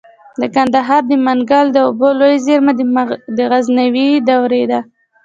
د کندهار د منگل د اوبو لوی زیرمه د غزنوي دورې ده